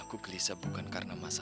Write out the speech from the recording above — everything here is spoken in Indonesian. aku bisa bener bener pergi ke sana